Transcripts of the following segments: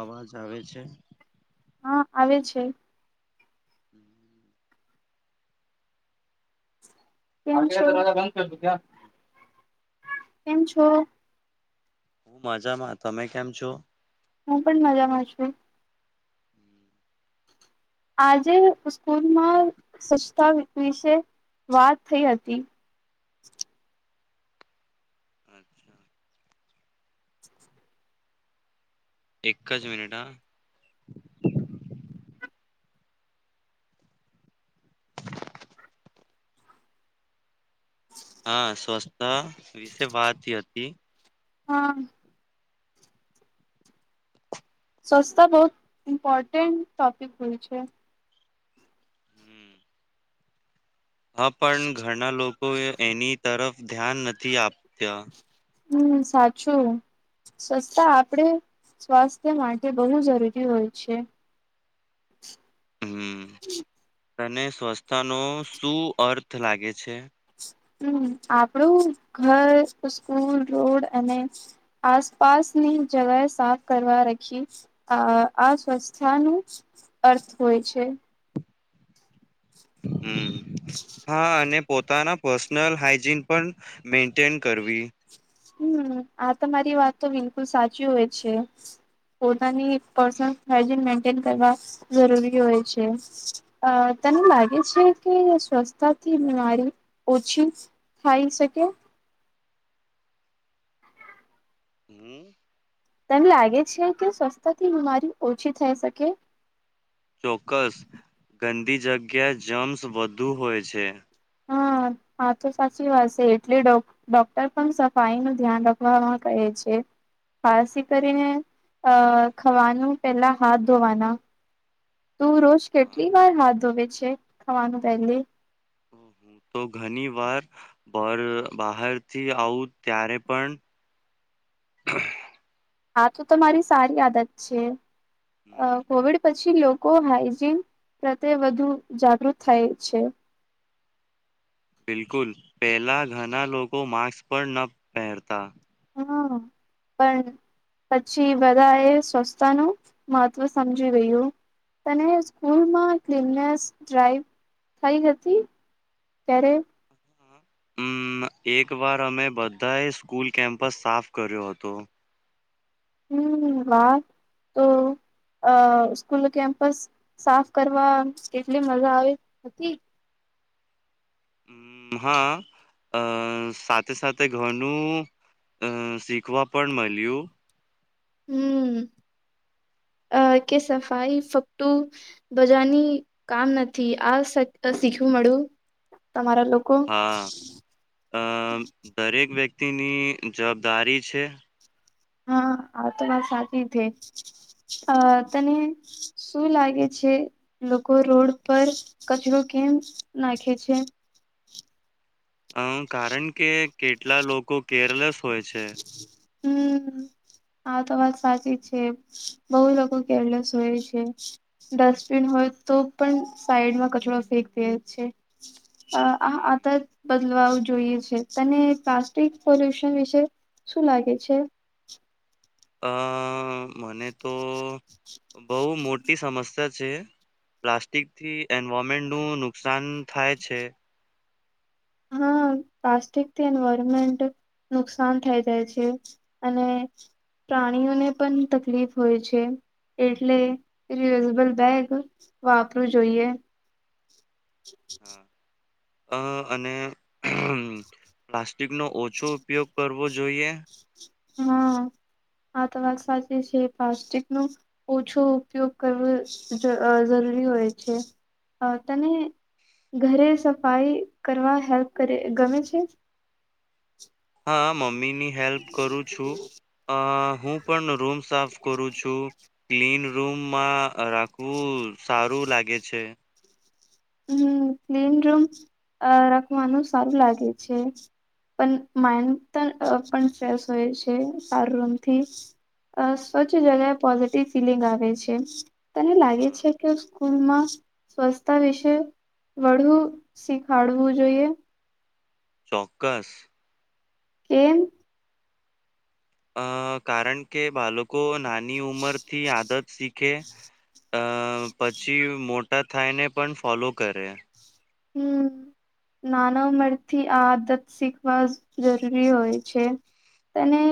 અવાજ આવે છે? હા આવે છે. હમ. કેમ છો? કેમ છો? હું મજામાં તમે કેમ છો? હું પણ મજામાં છું. આજે સ્કૂલમાં સ્વચ્છતા વિશે વાત થઈ હતી. અચ્છા [unintelligible] એક જ મિનિટ હા [unintelligible] [inaudible] હા સ્વછતા વિશે વાત થઈ હતી. હા. સસ્તા બહુ ઈમ્પોર્ટન્ટ ટોપિક હોય છે. હમ. હા પણ ઘરના લોકોએ એની તરફ ધ્યાન નથી આપતા. હમ સાચું. સ્વસ્તા આપડે સ્વાસ્થ્ય માટે બહુ જરૂરી હોય છે. હમ તને સ્વચ્છતાનો શું અર્થ લાગે છે? હમ આપડું ઘર, સ્કૂલ, રોડ અને આસપાસની જગહ સાફ કરવા રખી. આ અસ્વસ્થતા નું અર્થ હોય છે. હમ હા અને પોતાના પર્સનલ હાઈજીન પણ મેન્ટેન કરવી. હમ આ તમારી વાત તો બિલકુલ સાચી હોય છે. પોતાની પર્સનલ હાઈજીન મેન્ટેન કરવા જરૂરી હોય છે. અ તને લાગે છે કે સ્વસ્છતાથી બીમારી ઓછી થાઈ શકે? હમ તન લાગે છે કે સ્વસ્થતાથી બીમારી ઓછી થઈ શકે? ચોક્કસ. ગંદી જગ્યા જમ્સ વધુ હોય છે. હા આ તો સાચી વાત છે. એટલે ડોક ડોક્ટર પણ સફાઈનું ધ્યાન રાખવામાં કહે છે. ખાસ ઈ કરીને અ ખવાનું પેલા હાથ ધોવાના. તું રોજ કેટલી વાર હાથ ધોવે છે? ખવાનું પહેલે? હમ હમ તો ઘની વાર બર બહારથી આવું ત્યારે પણ આતો તમારી સારી આદત છે. અ હમ કોવિડ પછ પછી લોકો હાઈજીન પ્રત્યે વધુ જાગૃત થાય છે. બિલકુલ પહેલાં ઘણા લોકો માસ્ક પણ ન પહેરતા. હહ પન પછી બધા એ સ્વચસ્છતાનું મહત્વ સમજી ગયું. તને સ્કૂલમાં ક્લિનનેસ ડ્રાઈવ થઈ હતી? ત્યારે અમ એક વાર અમે બધાએ સ્કૂલ કેમ્પસ સાફ કર્યો હતો. હમ વાહ! તો અ સ્કૂલ કેમ્પસ સાફ કરવા કેટલી મજા આવી હતી? અમ હા અ સાથે સાથે ઘનું અ શીખવા પણ મલ્યું. હમ અ કે સફાઈ ફક્તું બજાની કામ નથી. આ શીખવું મળ્યું, તમારા લોક હા અ દરેક વ્યક્તિની જવાબદારી છે. હા આ તો વાત સાચી થે. અ તને શું લાગે છે. લોકો રોડ પર કચરો કેમ નાખે છે? અ કારણ કે કેટલા લોકો કેરલેસ હોય છે. હમ આ તો વાત સાચી છે. બહુ લોકો કેરલેસ હોય છે. ડસ્ટબિન હોય તો પણ સાઈડમાં કચરો ફેંકે છે. અ આ હમ આત બદલાવાવું જોઈએ છે. તને પ્લાસ્ટિક પોલ્યુશન વિશે શું લાગે છે? અ મને તો બહુ મોટી સમસ ત છે પ્લાસ્ટિક થી એન્વોમેન્ટ નું નુકસાન થાય છે. હા પ્લાસ્ટિક થી એન્વાયરમેન્ટ નુકસાન થાઈ જાય છે. અને પ્રાણીઓને પણ તકલીફ હોય છે. એટલે રિયુઝેબલ બેગ વાપરવું જોઈએ. [inaudible] અ અને પ્લાસ્ટિકનો ઓછો ઉપયોગ કરવો જોઈએ. હા આ તો વાત સાચી છે. પ્લાસ્ટિક નું ઓછો ઉપયોગ કરવો જ જરૂરી હોય છે અ તને ઘરે સફાઈ કરવા હેલ્પ કરે ગમે છે? હા મમ્મી ની હેલ્પ કરું છું અ હું પણ રૂમ્સ સાફ કરું છું ક્લીન રૂમમાં રાખવું સારું લાગે છે હમ્મ ક્લીન રૂમ અ રાખવાનું સારું લાગે છે પણ માઇન્ડ પણ ફેશ હોય છે સારું રૂમથી અ સ્વચ્છ જગ્યાએ પોઝિટિવ ફિલિંગ આવે છે તને લાગે હા છે કે સ્કૂલમાં સ્વચ્છતા વિશે વળુ શીખાડવું જોઈએ ચોક્કસ કેમ અ કારણ કે બાળકો નાની ઉંમર થી આદત શી ખે અ પછી મોટા થાયને પણ ફોલો કરે હમ નાના ઉમરથી આ આદત શીખવા જરૂરી હોય છે તને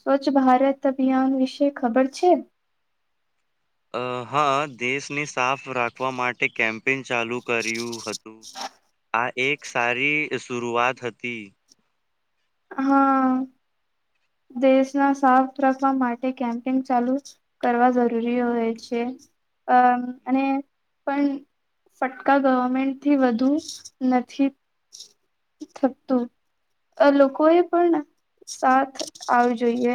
સ્વચ્છ ભારત અભિયાન વિશે ખબર છે? અ હા દેશને સાફ રાખવા માટે કેમ્પેન ચાલુ કર્યું હતું આ એક સારી શુરૂઆત હતી હા દેશના સાફ રાખવા માટે કેમ્પેન ચાલુ કરવા જરૂરી હોય છે, અ અને પણ ફટકા ગવર્મેન્ટથી વધુ નથી થતું લોકો એ પણ સાથ આવું જોઈએ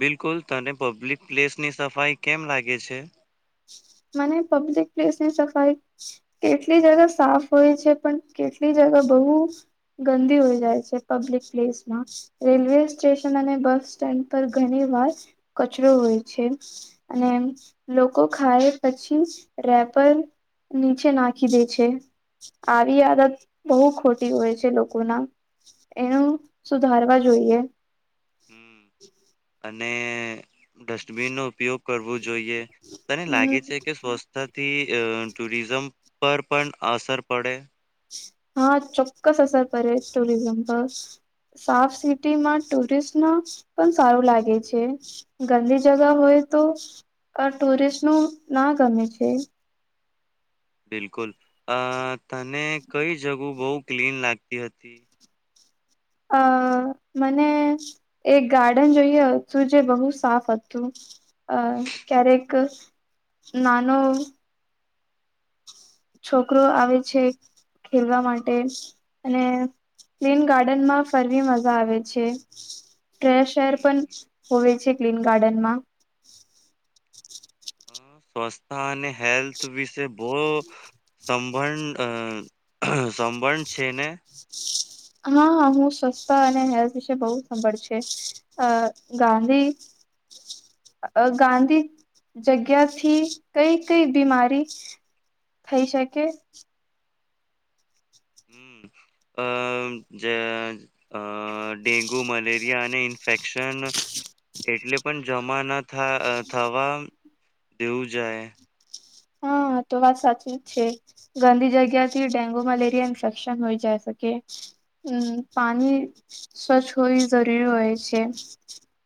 બિલકુલ તને પબ્લિક પ્લેસ ની સફાઈ કેમ લાગે છે, મને પબ્લિક પ્લેસ ની સફાઈ કેટલી જગા સાફ હોય છે, પણ કેટલી જગા બહુ ગંદી હોય જાય છે પબ્લિક પ્લેસ માં રેલવે સ્ટેશન અને બસ સ્ટેન્ડ પર ઘણી વાર કચરો હોય છે, અને લોકો ખાય પછી રેપર નીચે નાખી દે છે આવી આદત બહુ ખોટી હોય છે લોકોના એનું સુધારવા જોઈએ હમ અને ડસ્ટબિનનો ઉપયોગ કરવો જોઈએ તને હમ લાગે છે કે સ્વચ્છતાથી ટુરિઝમ પર પણ અસર પડે હા ચોક્કસ અસર કરે ટુરિઝમ પર સાફ સિટીમાં ટુરિસ્ટ ન પણ સારું લાગે છે, ગંદીજગા હમ, હોય તો ટુરિસ્ટ નું ના ગમે છે બિલકુલ તને કઈ જગું બહુ ક્લીન લાગતી હતી અ મને એક ગાર્ડન જોયું હતું જે બહુ સાફ હતું અ ક્યારેક નાનો છોકરો આવે છે ખેલવા માટે અને ક્લીન ગાર્ડનમાં ફરવી મજા આવે છે ફરેશ એર હમ. પણ હોવે છે, ક્લીન ગાર્ડનમાં સ્વસ્થા અને હેલ્થ વિશે બો સંભળ સંભળ છે, ને હ હ હું સ્વસ્થ અને હેલ્થ વિશે બો સાભળ છે, અ ગાંધી અ ગાંધી જગ્યાથી કઈ કઈ બીમારી થઈ શકે હમ અ જ અ અ ડેન્ગુ, મલેરિયા, અને ઇન્ફેક્શન એટલે પણ જમા ન થ થવા દેવું જાય હ તો વાત સાચી જ છે. ગંદી જગ્યાથી ડેન્ગુ મલેરિયા ઇન્ફેક્શન હોય જાય શકે હમ્મ પાણી સ્વચ્છ હોવી જરૂરી હોય છે.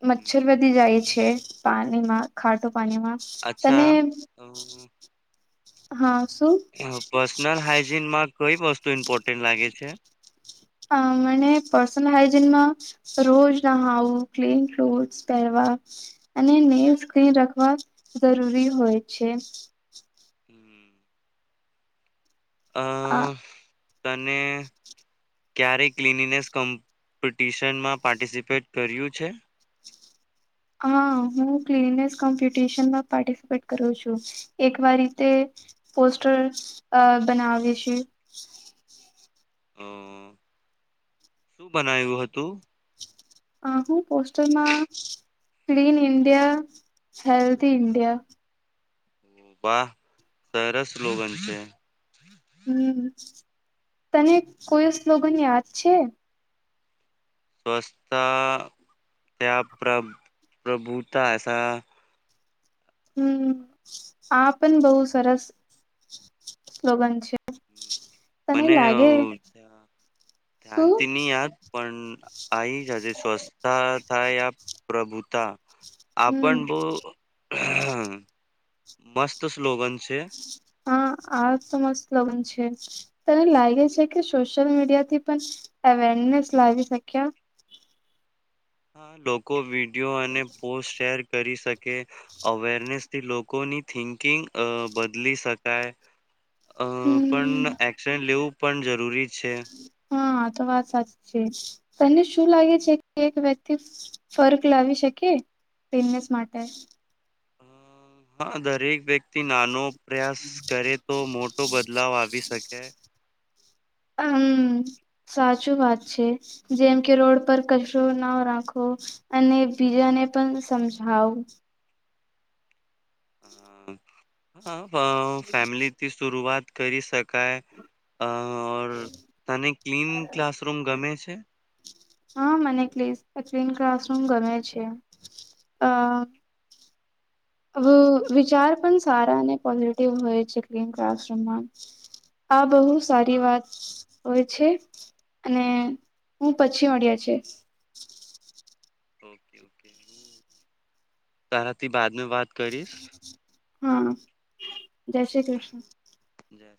હમ મચ્છર વધી જાય છે, પાણીમાં ખાટું પાણીમાં તને અચ્છા [unintelligible] હા શું નલહાજીનમાં કઈ વસ્તુ ઇમ્પોર્ટન્ટ લાગે છે? અ મને પસંદ હાઈજીન રોજ નહાવું ક્લીન ક્લોથ પહેરવા અને નેવ સ્ક્રીન રાખવા જરૂરી હોય છે. હમ્મ. અ આ તને ક્યારે ક્લિનિનેસ કમ્પિટિશનમાં પાર્ટિસિપેટ કર્યું છે. હા હું ક્લીનેસ કોમ્પિટીશનમાં પાર્ટિસીપેટ કરું છું એકવાર રીતે પોસ્ટર અ બનાવે છે. અ શું બનાવ્યું હતું? અ હું પોસ્ટરમાં ક્લીન ઇન્ડિયા હેલ્થી ઇન્ડિયા વાહ સરસ સ્લોગન છે. હમ્મ તને કોઈ સ્લોગન યાદ છે. સ્વચ્છતા ત્યા પ્ર પ્રભુતાસા હમ્મ આ પણ બો સરસ સ્લોગન છે. હમ તને મને લાગે ધયા શું ધ્યાનથી ની યાદ પણ આહી જ આજે સ્વચ્છતા થાય આ પ્રભુતા આ હમ પણ બો મસ્ત સ્લોગન છે. હા આ તો મસ્ત સ્લોગન છે. તને લાગે છે, કે સોશિયલ મીડિયાથી પણ અવેરનેસ લાવી શક્યે? હા લોકો વિડિયો અને પોસ્ટ શેર કરી શકે અવેરનેસથી લોકોની થિંકિંગ અ બદલી શકાય અ હમ પણ એક્શન લેવું પણ જરૂરી છે. હ તો વાત સાચી છે, તને શું લાગે છે, કે એક વ્યક્તિ ફર્ક લાવી શકી પેનેસ માટે હા દરેક વ્યક્તિ નાનો પ્રયાસ કરે તો મોટો બદલાવ આવી શકે અમ્મ. સાચું વાત છે, જેમ કે રોડ પર કચરો ના રાખવો અને બીજાને પણ સમજાવું હા ફેમિલીથી શરુઆત કરી શકાય અ ઓર તને ક્લીન ક્લાસરૂમ ગમે છે? હ મને ક્લીસ કલીન ક્લાસરૂમ ગમે છે, અ [unintelligible] વિચાર પણ સારા અને પોઝિટિવ હોય છે, ક્લીન ક્લાસરૂમમાં આ બહુ સારી વાત હોય છે અને હું પછી મળ્યા છે ઓકે ઓકે હું તારાથી બાદમા વાત કરીશ હા જય શ્રી કૃષ્ણ જય